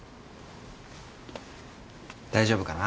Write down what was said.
大丈夫かな？